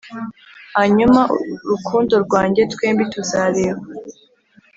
hanyuma, rukundo rwanjye, twembi tuzareba